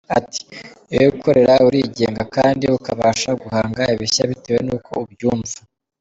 Ati “ Iyo wikorera urigenga, kandi ukabasha guhanga ibishya bitewe n’uko ubyumva.